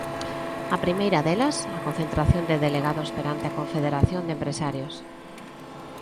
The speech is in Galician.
A primeira delas, a concentración de delegados perante a Confederación de Empresarios.